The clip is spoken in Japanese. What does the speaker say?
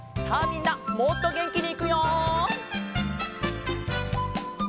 みんなもっとげんきにいくよ！